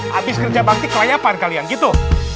habis kerja bakti kelayapan kalian gitu